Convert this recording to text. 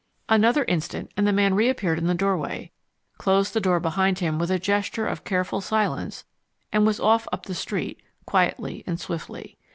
Another instant and the man reappeared in the doorway, closed the door behind him with a gesture of careful silence, and was off up the street quietly and swiftly.